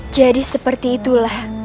jadi seperti itulah